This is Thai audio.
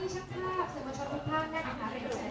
ขอโทษนะ